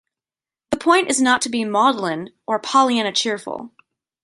The point is not to be maudlin or Pollyanna cheerful.